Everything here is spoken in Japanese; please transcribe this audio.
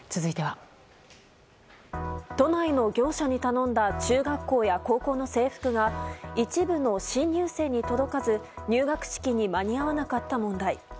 都内の業者に頼んだ中学校や高校の制服が一部の新入生に届かず入学式に間に合わなかった問題。